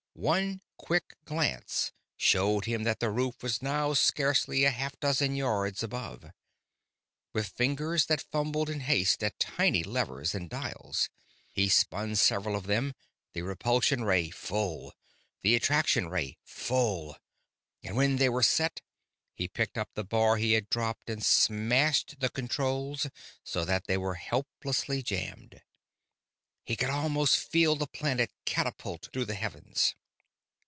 One quick glance showed him that the roof was now scarcely a half dozen yards above. With fingers that fumbled in haste at tiny levers and dials, he spun several of them the repulsion ray full the attraction ray full. And when they were set, he picked up the bar he had dropped and smashed the controls so that they were helplessly jammed. He could almost feel the planet catapult through the heavens.